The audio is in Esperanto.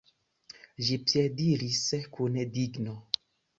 Ĝi piediris kun digno.